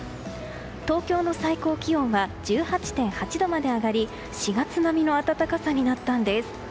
東京の最高気温は１８．８度まで上がり４月並みの暖かさになったんです。